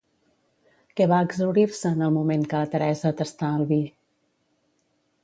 Què va exhaurir-se en el moment que la Teresa tastà el vi?